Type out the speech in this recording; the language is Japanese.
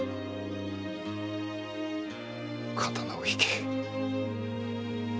⁉刀をひけ。